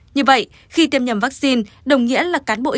như vậy khi tiêm nhầm vaccine đồng nghĩa là cán bộ y tế không thực hiện